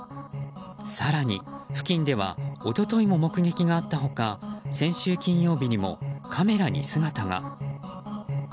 更に、付近では一昨日も目撃があった他先週金曜日にも、カメラに姿が。